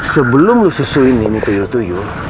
sebelum lu susuin ini nih tuyul tuyul